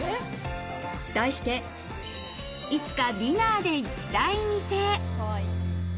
題して、いつかディナーで行きたい店。